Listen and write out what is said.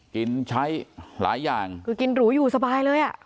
กินใช้หลายอย่างกินหรูอยู่สบายเลย